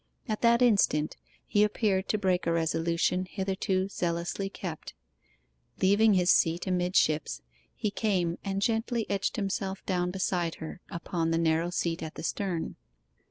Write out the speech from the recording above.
At that instant he appeared to break a resolution hitherto zealously kept. Leaving his seat amidships he came and gently edged himself down beside her upon the narrow seat at the stern.